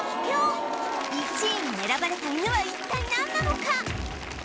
１位に選ばれた犬は一体なんなのか？